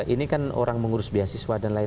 ini kan orang mengurus beasiswa dan lain lain